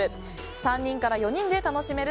３人から４人で楽しめる